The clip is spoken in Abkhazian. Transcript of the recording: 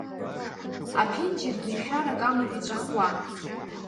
Аԥенџьыргьы шәарак амоуп иҵәахуа.